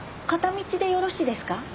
片道でよろしいですか？